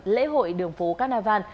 lễ hội đường phố carnarvon